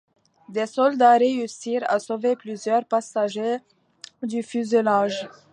Des soldats réussirent à sauver plusieurs passagers du fuselage.